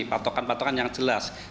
patokan patokan yang jelas